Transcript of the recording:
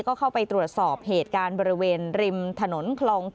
ก็เข้าไปตรวจสอบเหตุการณ์บริเวณริมถนนคลอง๗